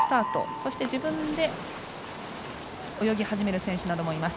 そして、自分で泳ぎ始める選手などもいます。